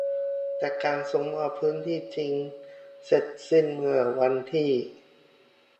แต่การส่งมอบพื้นที่จริงเสร็จสิ้นเมื่อวันที่